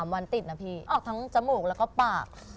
๓วันติดนะพี่ทั้งจมูกหรอกก็ปาก